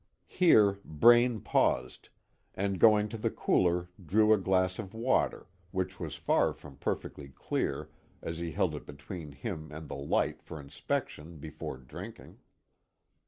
Here Braine paused, and going to the cooler drew a glass of water, which was far from perfectly clear as he held it between him and the light for inspection before drinking.